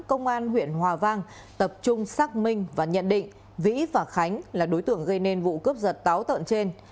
công an huyện hòa vang tập trung xác minh và nhận định vĩ và khánh là đối tượng gây nên vụ cướp giật táo tợn trên